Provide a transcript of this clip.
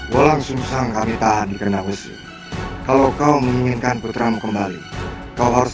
walang susang kami tahan dikenal wc kalau kau menginginkan putramu kembali kau harus